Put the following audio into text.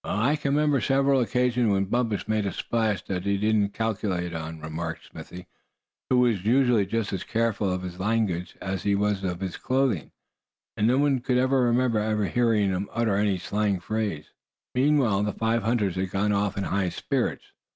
"Well, I can remember several occasions when Bumpus made a splash that he didn't calculate on," remarked Smithy, who was usually just as careful of his language as he was of his clothes, and no one could ever remember ever hearing him utter any slang phrase. Meanwhile the five hunters had gone off in high spirits.